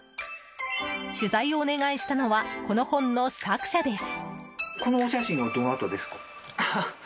取材をお願いしたのはこの本の作者です。